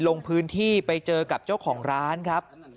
ลงพื้นที่ไปเจอกับเจ้าของร้านครับ